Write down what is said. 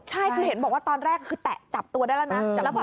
ใช่คือเห็นบอกว่าตอนแรกคือแตะจับตัวได้แล้วนะ